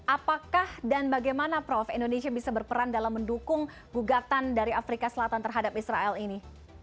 apakah dan bagaimana prof indonesia bisa berperan dalam mendukung gugatan dari afrika selatan terhadap israel ini